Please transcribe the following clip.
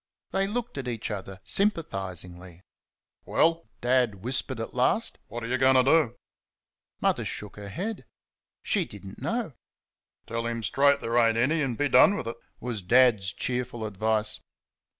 They looked at each other sympathisingly. "Well?" Dad whispered at last; "what are you going to do?" Mother shook her head. She did n't know. "Tell him straight there ain't any, an' be done with it," was Dad's cheerful advice.